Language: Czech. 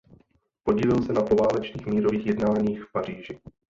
Podílel se na poválečných mírových jednáních v Paříži.